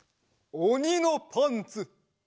「おにのパンツ」！